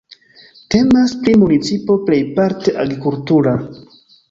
Temas pri municipo pejparte agrikultura.